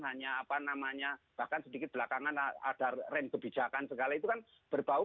hanya apa namanya bahkan sedikit belakangan ada rem kebijakan segala itu kan berbau